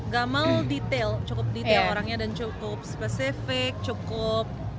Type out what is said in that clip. gamal detail cukup detail orangnya dan cukup spesifik cukup